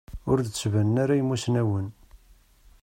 Ur d-ttbanen ara imusnawen.